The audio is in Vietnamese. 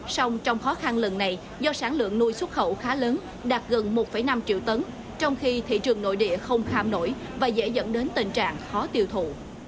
sông trong khó khăn lần này do sản lượng nuôi xuất khẩu khá lớn đạt gần một năm triệu tấn trong khi thị trường nội địa không khàm nổi và dễ dẫn đến tình trạng khó tiêu thụ